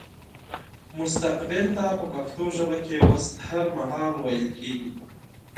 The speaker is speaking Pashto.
مستقبل ته په پښتو ژبه کې وستهرمهال ويل کيږي